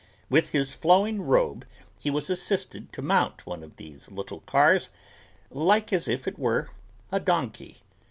With his flowing robe he was assisted to mount one of these little cars like as if it were a donkey.